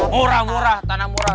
murah murah tanah murah